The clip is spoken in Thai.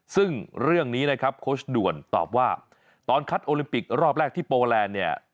ซึ่งเรื่องนี้นะครับโค้ชด่วนตอบว่าตอนคัดโอลิมปิกรอบแรกที่โปแลนด์เนี่ย